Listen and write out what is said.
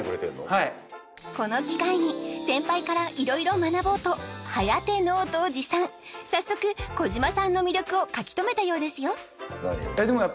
はいこの機会に先輩からいろいろ学ぼうと颯ノートを持参早速児嶋さんの魅力を書きとめたようですよ